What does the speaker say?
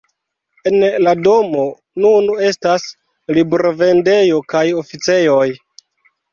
En la domo nun estas librovendejo kaj oficejoj.